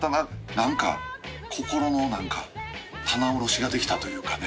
なんか心のなんか棚卸しができたというかね。